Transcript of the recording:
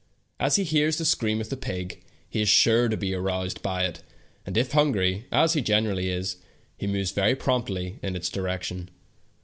As he hears the scream of the pig, he is sure to be aroused by it, and if hungry, as he generally is, he moves very prompt!}^ in its direction.